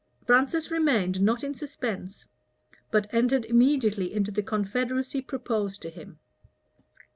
Francis remained not in suspense; but entered immediately into the confederacy proposed to him.